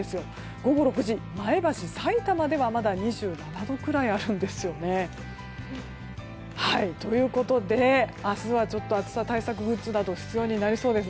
午後６時、前橋やさいたまではまだ２７度くらいあるんですよ。ということで、明日はちょっと暑さ対策グッズなど必要になりそうです。